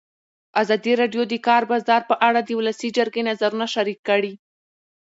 ازادي راډیو د د کار بازار په اړه د ولسي جرګې نظرونه شریک کړي.